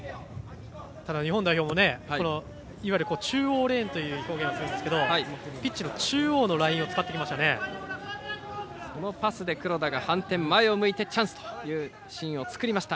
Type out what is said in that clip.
日本代表もいわゆる中央レーンという表現をするんですけどピッチの中央のラインを使ってきました。